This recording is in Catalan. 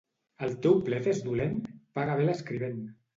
El teu plet és dolent? Paga bé l'escrivent.